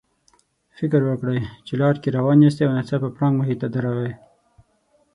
فکر وکړئ چې لار کې روان یاستئ او ناڅاپه پړانګ مخې ته درغی.